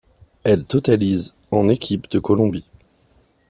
Elle totalise en équipe de Colombie.